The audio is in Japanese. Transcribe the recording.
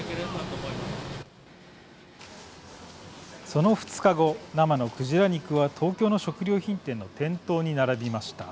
その２日後生のクジラ肉は東京の食料品店の店頭に並びました。